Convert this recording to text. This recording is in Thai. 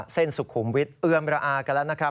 สุขุมวิทย์เอื้อมระอากันแล้วนะครับ